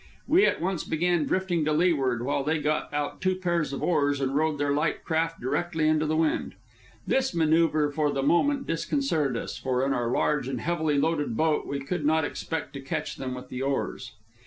We at once began drifting to leeward, while they got out two pairs of oars and rowed their light craft directly into the wind. This manoeuvre for the moment disconcerted us, for in our large and heavily loaded boat we could not hope to catch them with the oars.